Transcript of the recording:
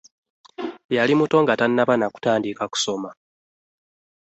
Yali muto nga tannaba na kutandika kusoma.